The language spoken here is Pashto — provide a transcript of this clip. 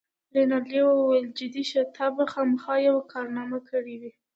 رینالډي وویل: جدي شه، تا به خامخا یوه کارنامه کړې وي.